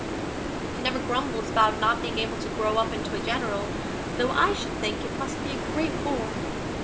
She never grumbles about not being able to grow up into a General, though I should think it must be a great bore.